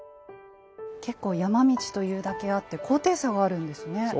結構山道と言うだけあって高低差があるんですね。